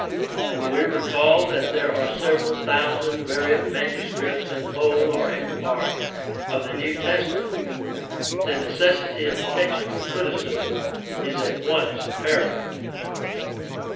When we recall that there are several thousand variant manuscripts in whole or in part of the New Testament, the necessity of textual criticism is at once apparent.